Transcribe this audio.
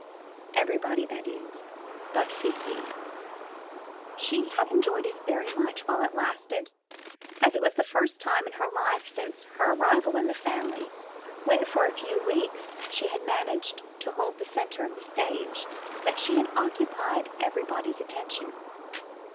Everybody, that is, but Fifi. She had enjoyed it very much while it lasted, as it was the first time in her life since her arrival in the family, when for a few weeks she had managed to hold the center of the stage, that she lad occupied everybody's attention.